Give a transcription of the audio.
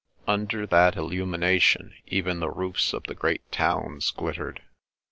Under that illumination even the roofs of the great towns glittered.